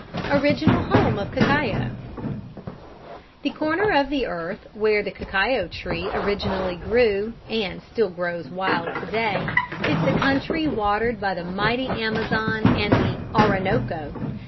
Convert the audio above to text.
Original Home of Cacao. The corner of the earth where the cacao tree originally grew, and still grows wild to day, is the country watered by the mighty Amazon and the Orinoco.